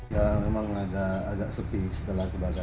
ya memang agak sepi setelah kebakaran